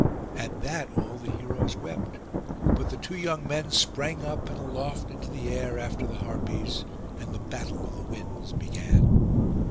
At that all the heroes wept; but the two young men sprang up, and aloft into the air after the Harpies, and the battle of the winds began.